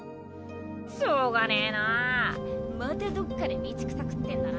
しょうがねえなあまたどっかで道草くってんだな。